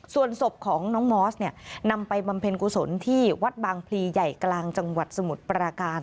ส่วนศพของน้องมอสเนี่ยนำไปบำเพ็ญกุศลที่วัดบางพลีใหญ่กลางจังหวัดสมุทรปราการ